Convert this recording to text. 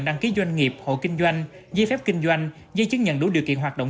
đăng ký doanh nghiệp hộ kinh doanh giấy phép kinh doanh giấy chứng nhận đủ điều kiện hoạt động